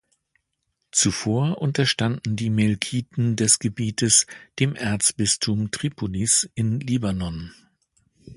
Zuvor unterstanden die Melkiten des Gebiets dem Erzbistum Tripolis in Libanon.